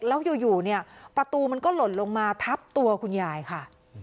แล้วอยู่เนี่ยประตูมันก็หล่นลงมาทับตัวคุณยายค่ะ